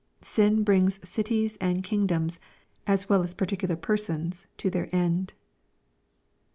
Sin brings cities and king^ doms, as well as particular persons, to their end."